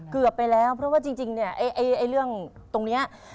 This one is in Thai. เกือบไปแล้วเพราะว่าจริงเนี่ยไอ้เรื่องตรงนี้